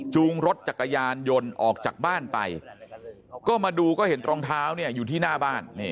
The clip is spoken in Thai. รถจักรยานยนต์ออกจากบ้านไปก็มาดูก็เห็นรองเท้าเนี่ยอยู่ที่หน้าบ้าน